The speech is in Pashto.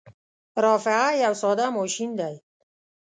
رافعه یو ساده ماشین دی.